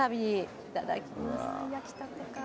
いただきます。